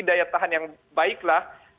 daya tahan yang baiklah